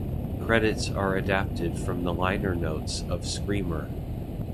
Credits are adapted from the liner notes of "Screamer".